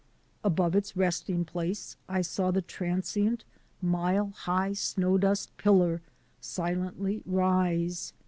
Above its resting place I saw the transient, mile high snow dust pillar si lently rise.